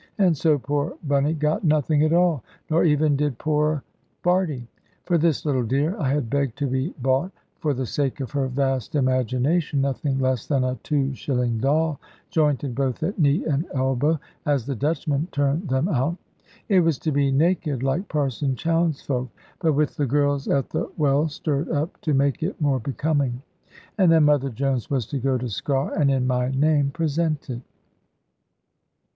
And so poor Bunny got nothing at all; nor even did poorer Bardie. For this little dear I had begged to be bought, for the sake of her vast imagination, nothing less than a two shilling doll, jointed both at knee and elbow, as the Dutchmen turn them out. It was to be naked (like Parson Chowne's folk), but with the girls at the well stirred up to make it more becoming. And then Mother Jones was to go to Sker, and in my name present it.